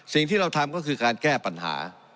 สิ่งที่เราทำก็คือการแก้ปัญหา